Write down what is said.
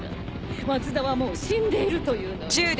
松田はもう死んでいるというのに。